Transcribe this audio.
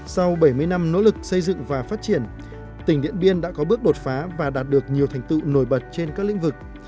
sau bảy mươi năm nỗ lực xây dựng và phát triển tỉnh điện biên đã có bước đột phá và đạt được nhiều thành tựu nổi bật trên các lĩnh vực